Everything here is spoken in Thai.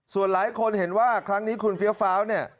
ส่วนหลายคนเห็นว่าครั้งนี้คุณเฟี้ยวฟ้าวเนี่ย